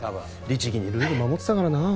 律義にルール守ってたからなあ